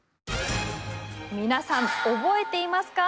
皆さん覚えていますか？